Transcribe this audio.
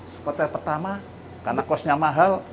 seperti pertama karena cost nya mahal